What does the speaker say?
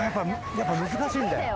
やっぱ難しいんだよ。